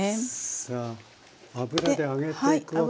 さあ油で揚げていくわけですね。